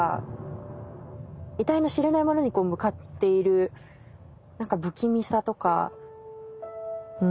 えたいの知れないものに向かっている何か不気味さとかうん。